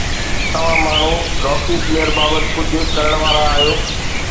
توهان ماڻهو Rocky Flair بابت ڪجهه ڪرڻ وارا آهيو